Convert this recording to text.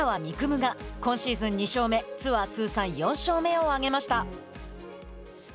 夢が今シーズン２勝目ツアー通算４勝目を挙げました。